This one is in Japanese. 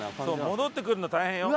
戻ってくるの大変よ。